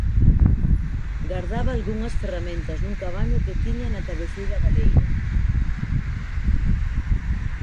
Gardaba algunhas ferramentas nun cabano que tiña na cabeceira da leira.